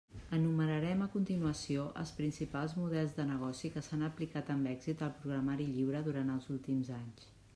Enumerarem a continuació els principals models de negoci que s'han aplicat amb èxit al programari lliure durant els últims anys.